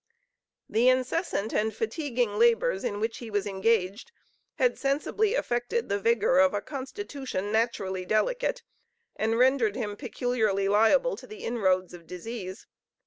The incessant and fatiguing labors in which he was engaged, had sensibly affected the vigor of a constitution naturally delicate, and rendered him peculiarly liable to the inroads of disease.